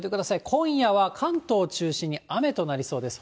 今夜は関東中心に雨となりそうです。